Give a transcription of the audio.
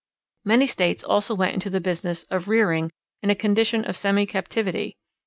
Many states also went into the business of rearing, in a condition of semi captivity.